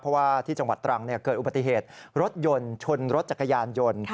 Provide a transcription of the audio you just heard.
เพราะว่าที่จังหวัดตรังเกิดอุบัติเหตุรถยนต์ชนรถจักรยานยนต์